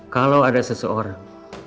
kalau ada seseorang